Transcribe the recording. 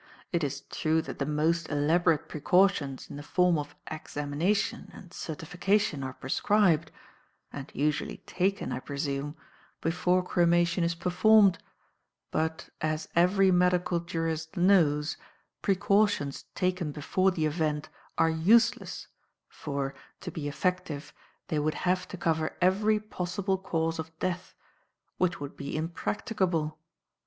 It is true that the most elaborate precautions in the form of examination and certification are prescribed and usually taken, I presume before cremation is performed; but, as every medical jurist knows, precautions taken before the event are useless, for, to be effective, they would have to cover every possible cause of death, which would be impracticable.